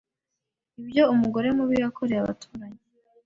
Ibyo umugore mubi yakoreye abaturanyi